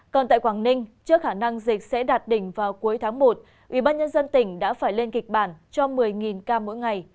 còn tại quảng ninh trước khả năng dịch sẽ đạt đỉnh vào cuối tháng một ubnd tỉnh đã phải lên kịch bản cho một mươi ca mỗi ngày